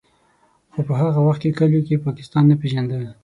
خو په هغه وخت کې کلیو کې پاکستان نه پېژانده.